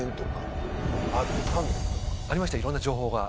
ありましたいろんな情報が。